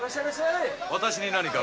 私に何か？